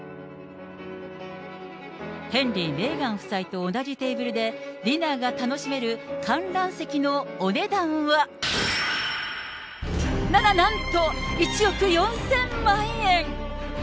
ヘンリー・メーガン夫妻と同じテーブルでディナーが楽しめる観覧席のお値段は、なななんと、１億４０００万円。